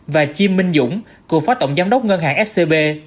và chi minh dũng cựu phó tổng giám đốc ngân hàng scb